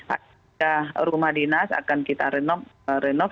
apakah rumah dinas akan kita renov